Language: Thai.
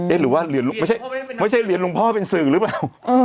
หรือว่าไม่ใช่เหรียญหลวงพ่อเป็นสื่อหรือเปล่า